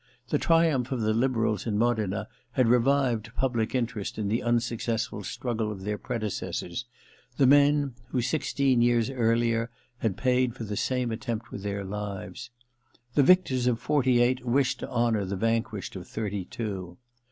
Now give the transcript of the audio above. The triumph of the liberals in Modena had revived public interest in the unsuccessful struggle of their predecessors, the men who, sixteen years earlier, had paid for the same attempt with their lives. The victors of 'forty eight wished to honour the vanquished of 'thirty two.